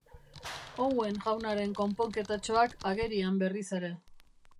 Owen jaunaren konponketatxoak agerian berriz ere.